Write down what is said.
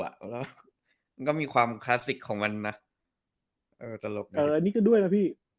แล้วมันก็มีความคลาสสิกของมันนะเออตลกนะเอออันนี้ก็ด้วยนะพี่